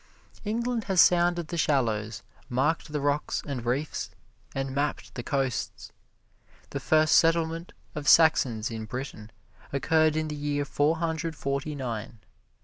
England has sounded the shallows, marked the rocks and reefs, and mapped the coasts. The first settlement of Saxons in Britain occurred in the year Four Hundred Forty nine.